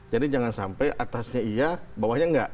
jadi jangan sampai atasnya iya bawahnya enggak